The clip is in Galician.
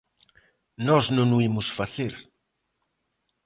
Nós non o imos facer.